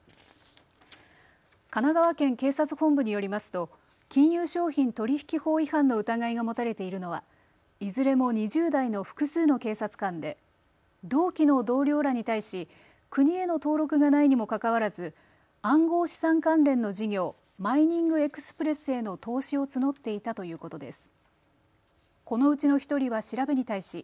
神奈川県警察本部によりますと金融商品取引法違反の疑いが持たれているのはいずれも２０代の複数の警察官で同期の同僚らに対し国への登録がないにもかかわらず暗号資産関連の事業マイニングエクスプレスへの投資を募っていたということです。